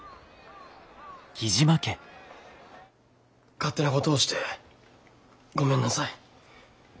勝手なことをしてごめんなさい。